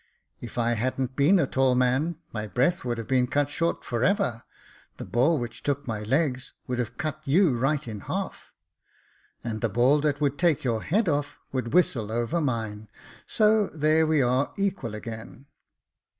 If I hadn't been a tall man, my breath would have been cut short for ever ; the ball which took my legs, would have cut you right in half." *' And the ball that would take your head off, would whistle over mine ; so there we are equal again."